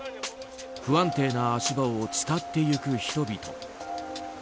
不安定な足場を伝っていく人々。